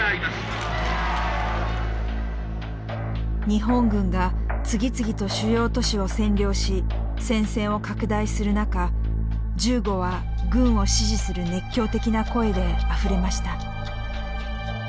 日本軍が次々と主要都市を占領し戦線を拡大する中銃後は軍を支持する熱狂的な声であふれました。